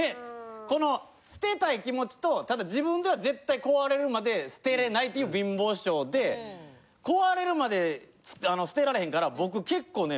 この捨てたい気持ちとただ自分では絶対壊れるまで捨てれないっていう貧乏性で壊れるまで捨てられへんから僕結構ね